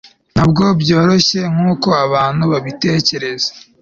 ntabwo byoroshye nkuko abantu babitekereza